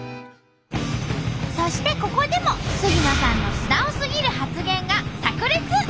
そしてここでも杉野さんの素直すぎる発言がさく裂！